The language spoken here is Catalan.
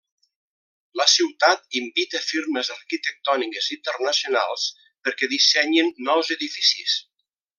La ciutat invita firmes arquitectòniques internacionals perquè dissenyin nous edificis.